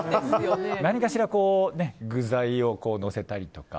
何かしら具材をのせたりとか。